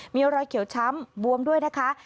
มีรอยเขียวช้ำบวมด้วยนะคะ